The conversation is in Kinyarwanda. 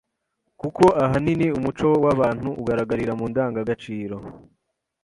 kuko ahanini umuco w’abantu ugaragarira mu ndangagaciro